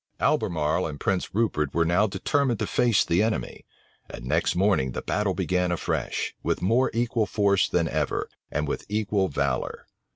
Albemarle and Prince Rupert were now determined to face the enemy; and next morning, the battle began afresh, with more equal force than ever, and with equal valor.